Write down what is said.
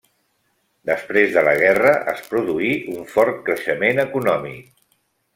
Després de la guerra es produí un fort creixement econòmic.